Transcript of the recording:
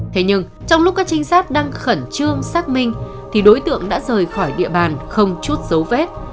thế nhưng trong lúc các trinh sát đang khẩn trương xác minh thì đối tượng đã rời khỏi địa bàn không chút dấu vết